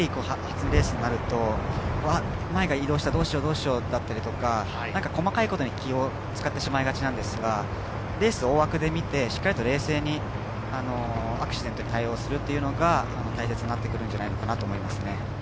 初レースになると、前が移動した、どうしようどうしようだったりとか細かいことに気を遣ってしまいがちなんですがレース大枠で見てしっかりと冷静にアクシデントに対応するというのが大切になってくるんじゃないかと思います。